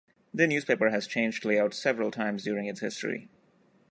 The newspaper has changed layout several times during its history.